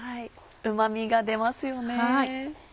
うま味が出ますよね。